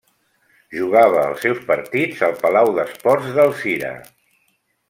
Jugava els seus partits al Palau d'Esports d'Alzira.